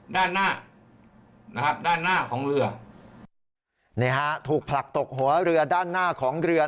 ด้านหน้าด้านหน้าของเรือ